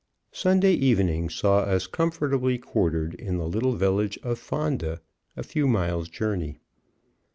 Sunday evening saw us comfortably quartered in the little village of Fonda, a few miles' journey.